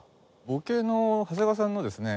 ボケの長谷川さんのですね